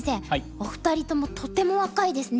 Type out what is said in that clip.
お二人ともとても若いですね。